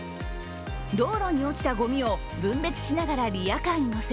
道路に落ちたごみを分別しながらリヤカーに載せ